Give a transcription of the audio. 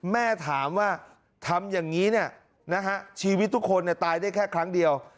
แม่ถามว่าทำอย่างนี้เนี่ยนะฮะชีวิตทุกคนตายได้แค่ครั้งเดียว